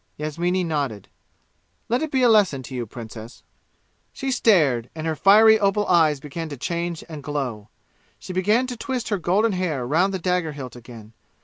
Yasmini nodded. "Let it be a lesson to you, Princess!" She stared, and her fiery opal eyes began to change and glow. She began to twist her golden hair round the dagger hilt again.